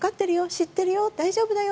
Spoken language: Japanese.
知っているよ、大丈夫だよ